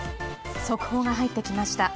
速報が入ってきました。